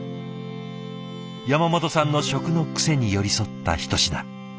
山本さんの食の癖に寄り添った一品。